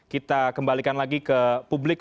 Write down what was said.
kita kembalikan lagi ke publik